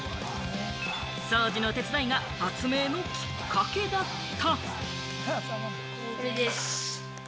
掃除の手伝いが発明のきっかけだった。